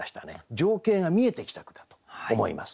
情景が見えてきた句だと思います。